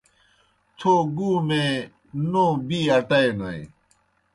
تھو گُومے نوں بِی اٹائینوئے۔